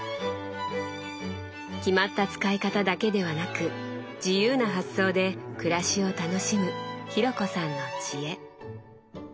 決まった使い方だけではなく自由な発想で暮らしを楽しむ紘子さんの知恵。